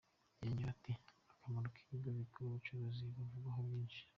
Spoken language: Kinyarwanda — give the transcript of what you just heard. Yongeyeho ati “Akamaro k’ibigo bikora ubucuruzi kavugwaho byinshi.